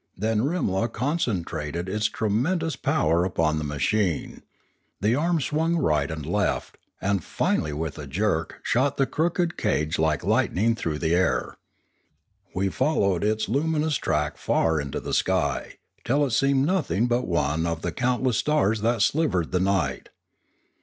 Then Rimla concentrated its tremen dous power upon the machine; the arm swung right and left, and finally with a jerk shot the crooked cage like lightning through the air. We followed its lum inous track far into the sky, till it seemed nothing but one of the countless stars that silvered the night.